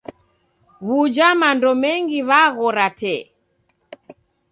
W'uja mando mengi waghora tee.